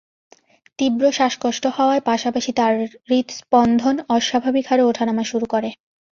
তীব্র শ্বাসকষ্ট হওয়ার পাশাপাশি তাঁর হূৎস্পন্দন অস্বাভাবিক হারে ওঠানামা শুরু করে।